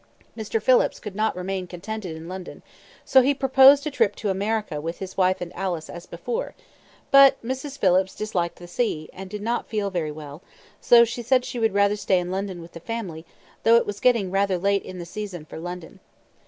Mr. Phillips could not remain contented in London, so he proposed a trip to America with his wife and Alice as before; but Mrs. Phillips disliked the sea, and did not feel very well, so she said she would rather stay in London with the family, though it was getting rather late in the season for London.